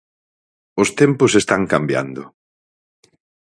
Os tempos están cambiando.